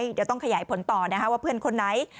เดี๋ยวต้องขยายผลต่อนะคะว่าเพื่อนคนไหน